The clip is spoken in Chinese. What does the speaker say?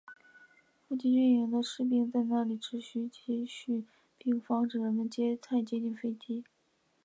附近军营的士兵在那里维持秩序并防止人们太接近飞机。